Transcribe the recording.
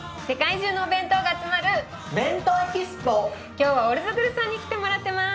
今日はオルズグルさんに来てもらってます。